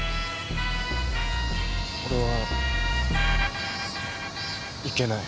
俺は行けない。